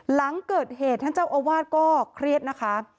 หลังเกิดเหตุท่านเจ้าอาวาสก็เครียดนะคะ